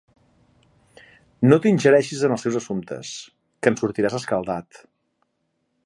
No t'ingereixis en el seus assumptes, que en sortiràs escaldat.